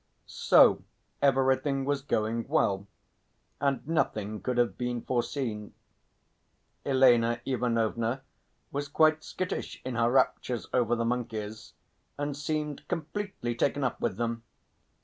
So everything was going well, and nothing could have been foreseen. Elena Ivanovna was quite skittish in her raptures over the monkeys, and seemed completely taken up with them.